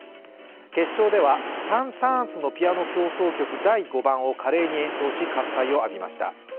決勝ではサン＝サーンスの「ピアノ協奏曲第５番」を華麗に演奏し喝采を浴びました。